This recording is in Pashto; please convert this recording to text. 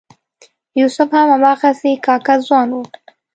یوسف هم هماغسې کاکه ځوان و.